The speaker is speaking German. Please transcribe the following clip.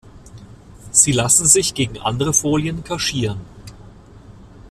Sie lassen sich gegen andere Folien kaschieren.